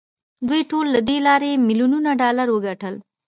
دوی ټولو له دې لارې میلیونونه ډالر وګټل